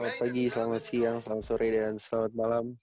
selamat pagi selamat siang selamat sore dan selamat malam